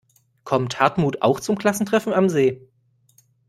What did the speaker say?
Kommt Hartmut auch zum Klassentreffen am See?